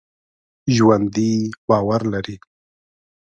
ژوندي باور لري